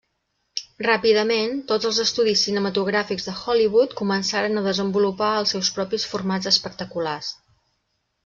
Ràpidament, tots els estudis cinematogràfics de Hollywood començaren a desenvolupar els seus propis formats espectaculars.